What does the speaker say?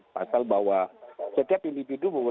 pasal bahwa setiap individu